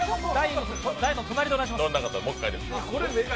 台の隣でお願いします。